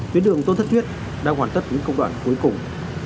tuyến đường tôn thất thuyết đang hoàn tất những công đoạn cuối cùng